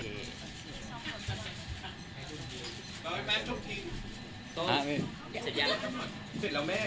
มีตัวเท็กที่จุกไปเลย